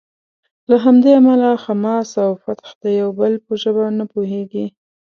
له همدې امله حماس او فتح د یو بل په ژبه نه پوهیږي.